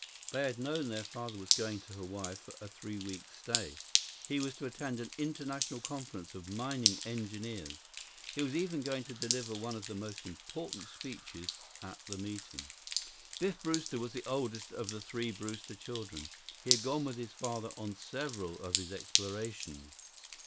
They had known their father was going to Hawaii for a three weeks' stay. He was to attend an international conference of mining engineers. He was even going to deliver one of the most important speeches at the meeting. 14 Biff Brewster was the oldest of the three Brewster children. He had gone with his father on several of his explorations.